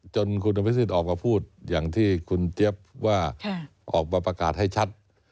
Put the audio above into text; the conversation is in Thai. จนคุณอภิษฎออกมาพูดอย่างที่คุณเจี๊ยบว่าออกมาประกาศให้ชัด